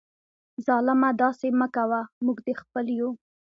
ظالمه داسي مه کوه ، موږ دي خپل یو